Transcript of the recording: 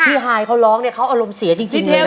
พี่ฮายเขาร้องเขาอารมณ์เสียจริงเลยนะ